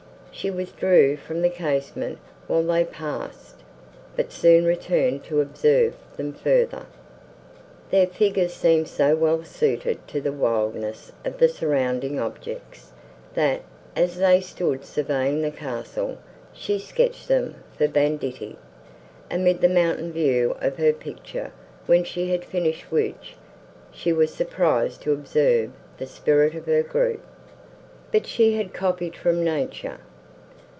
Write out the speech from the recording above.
She withdrew from the casement, while they passed, but soon returned to observe them further. Their figures seemed so well suited to the wildness of the surrounding objects, that, as they stood surveying the castle, she sketched them for banditti, amid the mountain view of her picture, when she had finished which, she was surprised to observe the spirit of her group. But she had copied from nature.